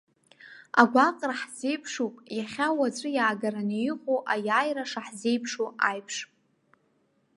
Агәаҟра ҳзеиԥшуп иахьа уаҵәы иаагараны иҟоу аиааира шаҳзеиԥшу аиԥш.